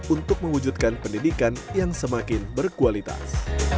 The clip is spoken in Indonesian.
untuk mewujudkan pendidikan yang semakin berkualitas